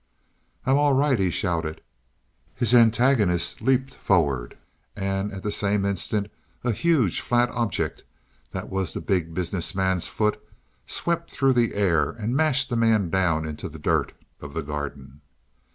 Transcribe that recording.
"I'm all right," he shouted. His antagonist leaped forward and at the same instant a huge, flat object, that was the Big Business Man's foot, swept through the air and mashed the man down into the dirt of the garden.